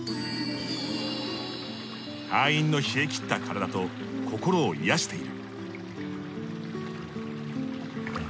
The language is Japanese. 隊員の冷え切った体と心を癒している。